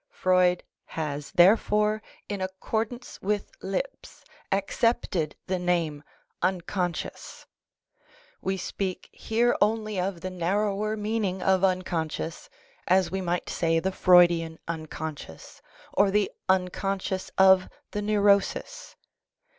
Freud has, therefore, in accordance with Lipps," accepted the name " unconscious." We speak here only of the narrower meaning of unconscious, as we might say the Freudian unconscious or the unconscious of the neurosis.